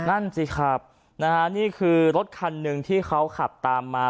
นั่นสิครับนะฮะนี่คือรถคันหนึ่งที่เขาขับตามมา